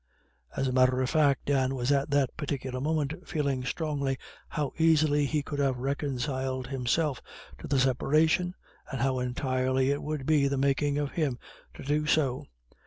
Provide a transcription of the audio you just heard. As a matter of fact Dan was at that particular moment feeling strongly how easily he could have reconciled himself to the separation, and how entirely it would be the making of him to do so.